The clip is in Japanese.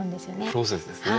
プロセスですね。